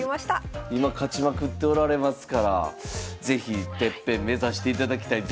今勝ちまくっておられますから是非てっぺん目指していただきたい。